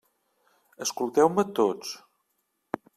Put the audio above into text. Escolteu-me tots.